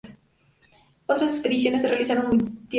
Otras expediciones se realizaron muy tierra adentro.